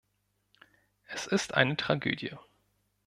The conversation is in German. Es ist eine Tragödie.